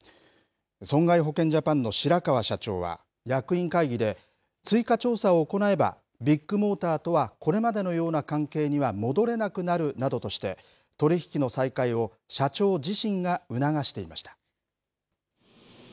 損害保険ジャパンの白川社長は役員会議で、追加調査を行えば、ビッグモーターとはこれまでのような関係には戻れなくなるなどとして、取り引きの再開を社長自身が促していました。